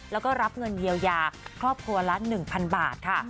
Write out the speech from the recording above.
แล้วก็รับเงินเยียวยาครอบครัวละ๑๐๐๐บาทค่ะ